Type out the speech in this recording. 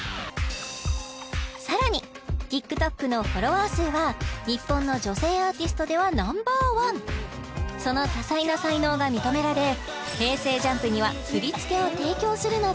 さらにＴｉｋＴｏｋのフォロワー数は日本の女性アーティストではナンバーワンその多彩な才能が認められするなど